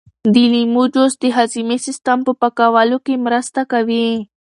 د لیمو جوس د هاضمې سیسټم په پاکولو کې مرسته کوي.